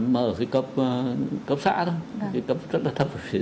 mà ở cái cấp xã thôi cái cấp rất là thấp ở phía dưới